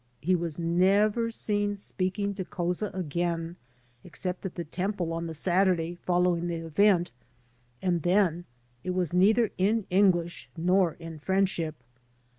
He was never seen speaking to Couza again, except at the temple on the Saturday following the event, and then it was neither in English nor in friendship.